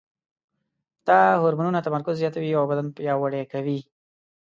دا هورمونونه تمرکز زیاتوي او بدن پیاوړی کوي.